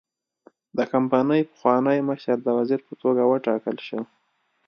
د کمپنۍ پخوانی مشر د وزیر په توګه وټاکل شو.